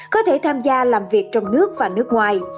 có thể tham gia làm việc trong nước và nước ngoài